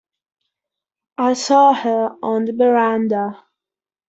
I saw her on the verandah.